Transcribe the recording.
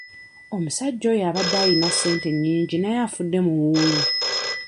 Omusajja oyo abadde ayina ssente nnyingi naye afudde muwuulu.